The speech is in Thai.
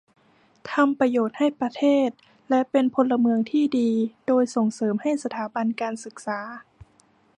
ทำประโยชน์ให้ประเทศ และเป็นพลเมืองที่ดี โดยส่งเสริมให้สถาบันการศึกษา